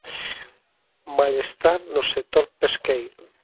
Malestar no sector pesqueiro.